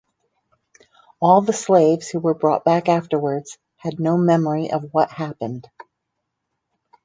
All the slaves who were brought back afterwards had no memory of what happened.